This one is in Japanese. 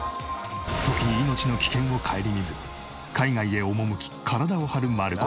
時に命の危険を顧みず海外へ赴き体を張るマルコス。